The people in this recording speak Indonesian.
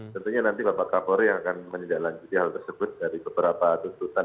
tentunya nanti bapak kapolri yang akan menindaklanjuti hal tersebut dari beberapa tuntutan